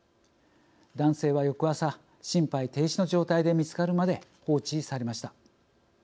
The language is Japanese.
男性は翌朝心肺停止の状態で見つかるまで放置されました。